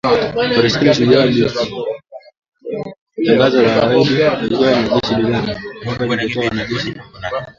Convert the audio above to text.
Operesheni Shujaa ilianzishwa kwa tangazo la awali lililotolewa na jeshi la Uganda, kwamba lingetoa wanajeshi kama itakavyoelekezwa na si vinginevyo